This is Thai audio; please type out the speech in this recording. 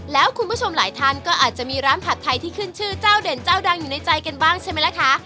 แล้วคุณผู้ชมหลายท่านก็อาจจะมีร้านผัดไทยที่ขึ้นชื่อเจ้าเด่นเจ้าดังอยู่ในใจกันบ้างใช่ไหมล่ะคะ